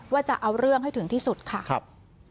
จะเอาเรื่องให้ถึงที่สุดค่ะครับ